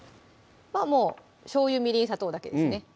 もうしょうゆ・みりん・砂糖だけですね